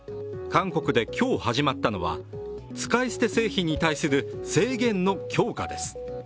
韓国で今日始まったのは使い捨て製品に対する制限の強化です。